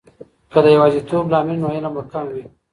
که د یواځیتوب لامل وي، نو علم به کمه وي.